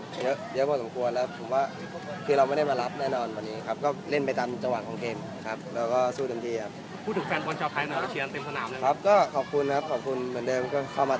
เกิดขึ้นในอีกนิดกี่ชั่วโมงข้างหน้า